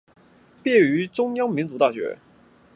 毕业于中央民族大学。